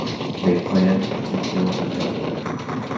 They planned to kill the governor.